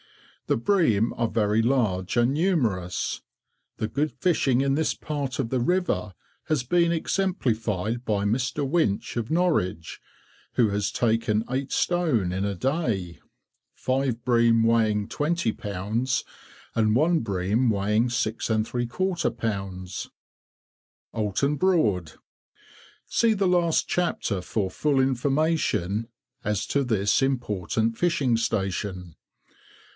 The bream are very large and numerous. The good fishing in this part of the river has been exemplified by Mr. Winch, of Norwich, who has taken 8 stone in a day—five bream weighing 20 lbs., and one bream weighing 6¾ lbs. OULTON BROAD. See the last chapter for full information as to this important fishing station.